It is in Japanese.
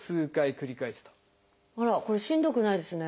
あらこれしんどくないですね。